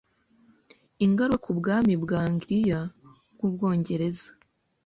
ingaruka ku bwami bwa Angliya bwUbwongereza